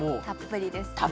たっぷり！